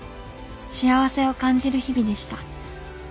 幸せを感じる日々でした。